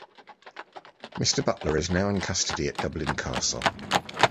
Mr. Butler is now in custody at Dublin castle.